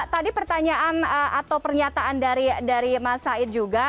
tadi pertanyaan atau pernyataan dari mas said juga